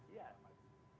iya pak jo